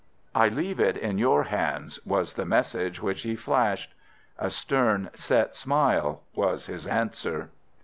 "I leave it in your hands," was the message which he flashed. A stern set smile was his answer.